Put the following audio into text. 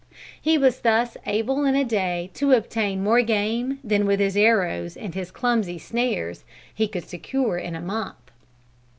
He was thus able in a day to obtain more game than with his arrows and his clumsy snares he could secure in a month.